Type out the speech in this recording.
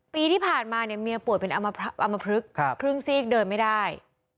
ปีที่ผ่านมาเนี่ยเมียป่วยเป็นอมพลึกครึ่งซีกเดินไม่ได้